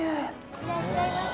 いらっしゃいませ！